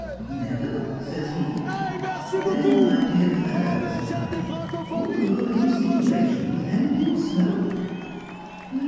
" Never," says he. " Then, my dear fellow," says I, "all your insinuations end in smoke."